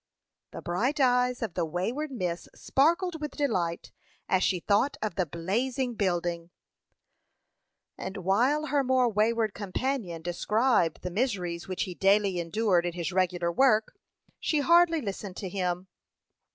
The bright eyes of the wayward miss sparkled with delight as she thought of the blazing building; and while her more wayward companion described the miseries which he daily endured in his regular work, she hardly listened to him.